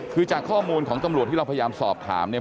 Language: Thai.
คือจากข้อมูลของตำรวจที่เราพยายามสอบถามเนี่ย